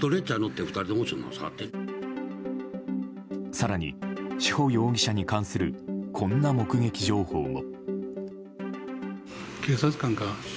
更に、志保容疑者に関するこんな目撃情報も。